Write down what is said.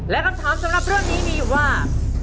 และคำถามสำหรับเรื่องนี้มีอยู่ว่า